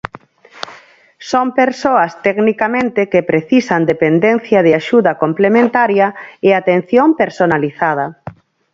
Son persoas tecnicamente que precisan dependencia de axuda complementaria e atención personalizada.